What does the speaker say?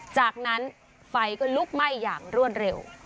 จากนั้นไฟก็ลุกไหม้อย่างรวดเร็ว